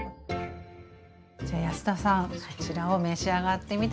じゃあ安田さんそちらを召し上がってみて下さい。